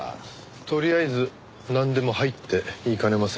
とりあえずなんでも「はい」って言いかねませんよ。